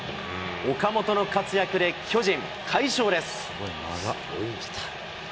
岡本の活躍で巨人、快勝です。